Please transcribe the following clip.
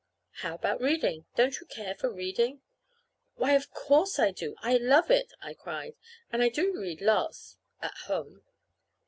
"How about reading? Don't you care for reading?" "Why, of course I do. I love it!" I cried. "And I do read lots at home."